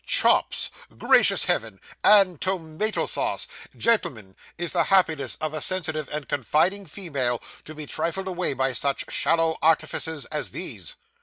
Chops! Gracious heavens! and tomato sauce! Gentlemen, is the happiness of a sensitive and confiding female to be trifled away, by such shallow artifices as these?